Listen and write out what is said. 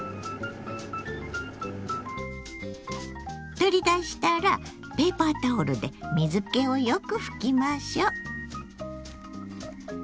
取り出したらペーパータオルで水けをよく拭きましょう。